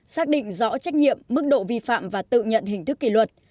xác định rõ trách nhiệm mức độ vi phạm và tự nhận hình thức kỷ luật